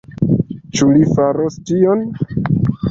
Ĉu li faros tion?